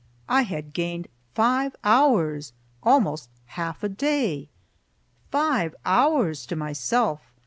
I had gained five hours, almost half a day "Five hours to myself!"